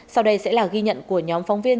sau đây sẽ là ghi nhận của nhóm phóng viên